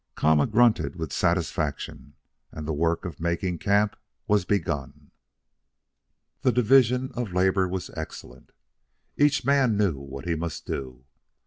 Kama grunted with satisfaction, and the work of making camp was begun. The division of labor was excellent. Each knew what he must do.